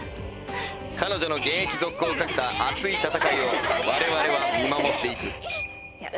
彼女の現役続行をかけた熱い戦いを我々は見守っていくいや